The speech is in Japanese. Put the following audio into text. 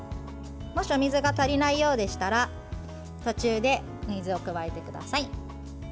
もし、お水が足りないようでしたら途中で水を加えてください。